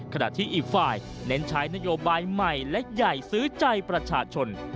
ขณะที่อีกฝ่ายเน้นใช้นโยบายใหม่และใหญ่ซื้อใจประชาชน